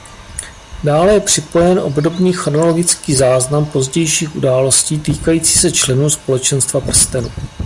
Dále je připojen obdobný chronologický záznam Pozdější události týkající se členů Společenstva prstenu.